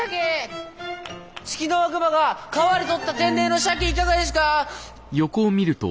ツキノワグマが川で獲った天然のシャケいかがですか！